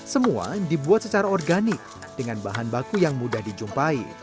semua dibuat secara organik dengan bahan baku yang mudah dijumpai